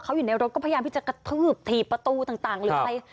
เขาอยู่ในรถก็พยายามที่จะกระทืบถีบประตูต่างหรืออะไร